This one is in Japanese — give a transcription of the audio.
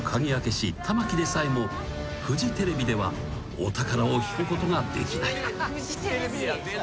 師玉置でさえもフジテレビではお宝を引くことができない］